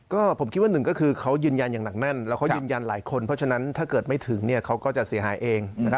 ก็ผมคิดว่าหนึ่งก็คือเขายืนยันอย่างหนักแน่นแล้วเขายืนยันหลายคนเพราะฉะนั้นถ้าเกิดไม่ถึงเขาก็จะเสียหายเอง